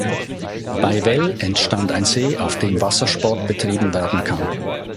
Bei Well entstand ein See, auf dem Wassersport betrieben werden kann.